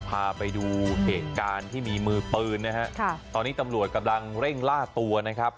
พาไปดูเหตุการณ์ที่มีมือปืนนะฮะค่ะตอนนี้ตำรวจกำลังเร่งล่าตัวนะครับ